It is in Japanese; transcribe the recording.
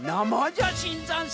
じゃしんざんす。